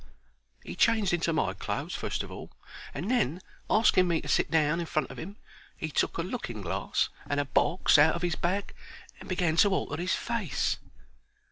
He changed into my clothes fust of all, and then, asking me to sit down in front of 'im, he took a looking glass and a box out of 'is bag and began to alter 'is face.